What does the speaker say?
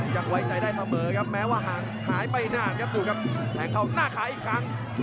ยังไว้ใจได้เค้าเม่อครับแม้ว่าหายไปหน้าก็ดูครับแห้งเข้าหน้าขาอีกครั้ง